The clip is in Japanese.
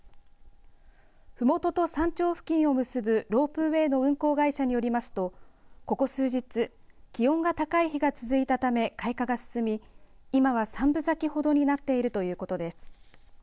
ふもとと山頂付近を結ぶロープウエーの運行会社によりますとここ数日、気温が高い日が続いたため、開花が進み今は３分咲きほどになっているということです。